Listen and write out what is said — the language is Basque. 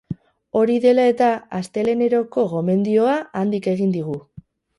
Hori dela eta, asteleheneroko gomendioa handik egin digu.